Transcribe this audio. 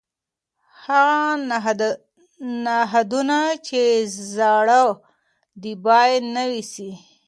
هغه نهادونه چې زاړه دي باید نوي سي.